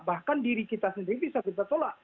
bahkan diri kita sendiri bisa kita tolak